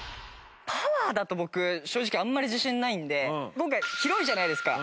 パワーだと僕正直あんまり自信ないんで今回広いじゃないですか。